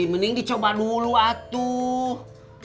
mending dicoba dulu atuh